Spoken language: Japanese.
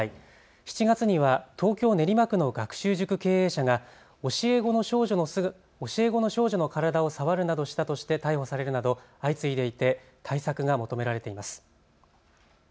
７月には東京練馬区の学習塾経営者が教え子の少女の体を触るなどしたとして逮捕されるなど相次いでいて対策が求められています。